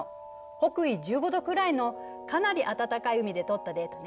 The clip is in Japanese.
北緯１５度くらいのかなり暖かい海で取ったデータね。